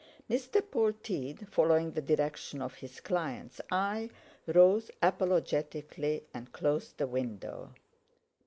Mr. Polteed, following the direction of his client's eye, rose apologetically and closed the window.